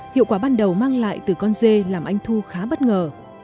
hiệu quả ban đầu mang lại từ con dê làm anh thu khá bất ngờ